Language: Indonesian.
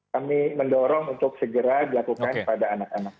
kami mendorong untuk segera dilakukan pada anak anak